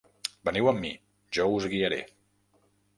Veniu amb mi: jo us guiaré.